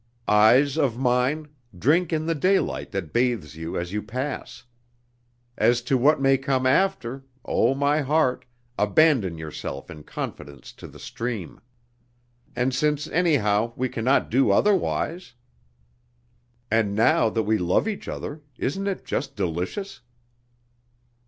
Eyes of mine, drink in the daylight that bathes you as you pass! As to what may come after, O, my heart, abandon yourself in confidence to the stream!... And since anyhow we can not do otherwise!... And now that we love each other, isn't it just delicious?